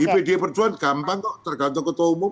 di pdi perjuangan gampang kok tergantung ketua umum